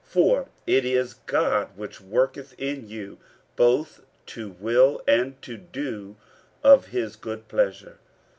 50:002:013 For it is God which worketh in you both to will and to do of his good pleasure.